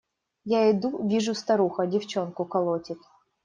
Я иду, вижу – старуха девчонку колотит.